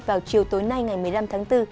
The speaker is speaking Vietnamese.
vào chiều tối nay ngày một mươi năm tháng bốn